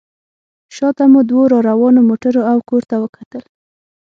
شا ته مې دوو راروانو موټرو او کور ته وکتل.